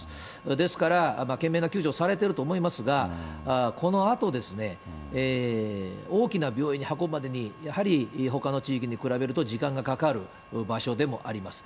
ですから、懸命な救助をされていると思いますが、このあと、大きな病院に運ぶまでに、やはりほかの地域に比べると、時間がかかる場所でもあります。